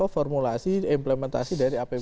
formulasi implementasi dari apb